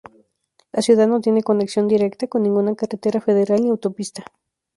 La ciudad no tiene conexión directa con ninguna carretera federal ni autopista.